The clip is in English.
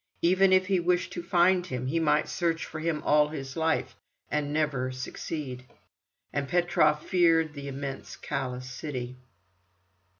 Even if he wished to find him, he might search for him all his life, and never succeed. And Petrov feared the immense, callous city.